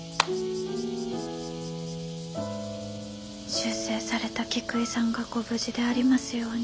出征された菊井さんがご無事でありますように。